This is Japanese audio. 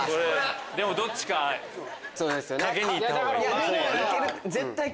でもどっちか賭けにいった方がいい。